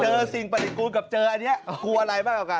เจอสิ่งปฏิกูลกับเจออันนี้อ๋อเกลืออะไรบ้างกับกัน